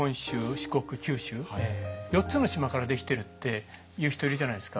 四国九州４つの島からできてるって言う人いるじゃないですか。